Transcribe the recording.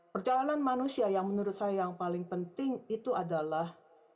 perjalanan manusia yang menurut saya yang paling penting itu adalah